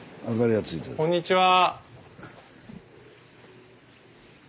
こんにちは。